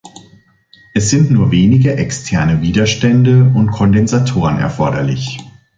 Es sind nur wenige externe Widerstände und Kondensatoren erforderlich.